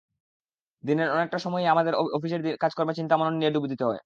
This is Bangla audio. দিনের অনেকটা সময়ই আমাদের অফিসের কাজকর্মে চিন্তা-মনন নিয়ে ডুব দিতে হয়।